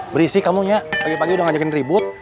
berisi kamu nya pagi pagi udah ngajakin ribut